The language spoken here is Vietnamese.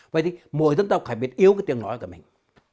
vậy thì mỗi dân tộc phải biết yêu cái tiếng nói của mình